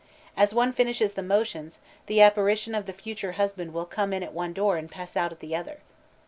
As one finishes the motions, the apparition of the future husband will come in at one door and pass out at the other.